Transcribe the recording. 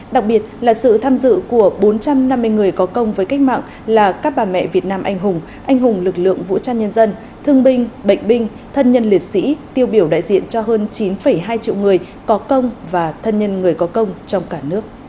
đặc biệt là sự tham dự của bốn trăm năm mươi người có công với cách mạng là các bà mẹ việt nam anh hùng anh hùng lực lượng vũ trang nhân dân thương binh bệnh binh thân nhân liệt sĩ tiêu biểu đại diện cho hơn chín hai triệu người có công và thân nhân người có công trong cả nước